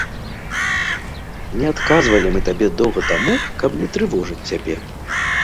Не адказвалі мы табе доўга таму, каб не трывожыць цябе.